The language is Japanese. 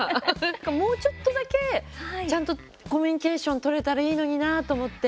もうちょっとだけちゃんとコミュニケーション取れたらいいのになと思って。